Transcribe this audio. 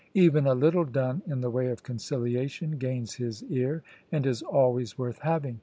Even a little done in the way of conciliation gains his ear, and is always worth having.